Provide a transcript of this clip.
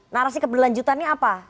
narasi keberlanjutannya apa